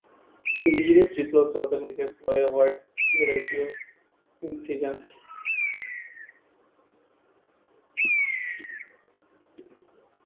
Indigenous peoples of South America employ a wide variety of entheogens.